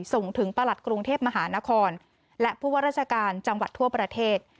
ส่งถึงประหลัดกรุงเทพมหานครและผู้ว่าราชการจังหวัดทั่วประเทศ